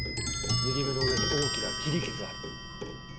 右目の上に大きな切り傷あり」。